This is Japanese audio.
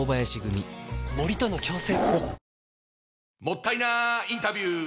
もったいなインタビュー！